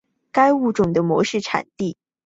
该物种的模式产地在浙江坎门。